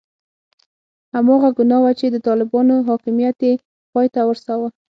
هماغه ګناه وه چې د طالبانو حاکمیت یې پای ته ورساوه.